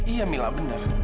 iya mila bener